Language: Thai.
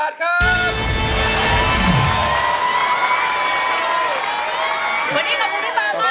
วันนี้ขอบคุณพี่ป๊ามาก